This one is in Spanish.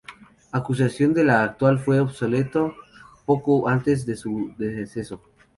Acusación de la cual fue absuelto poco antes de su deceso.